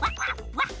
わっ！